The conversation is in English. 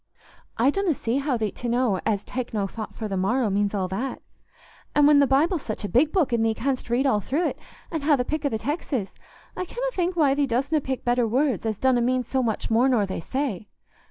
I donna see how thee't to know as 'take no thought for the morrow' means all that. An' when the Bible's such a big book, an' thee canst read all thro't, an' ha' the pick o' the texes, I canna think why thee dostna pick better words as donna mean so much more nor they say.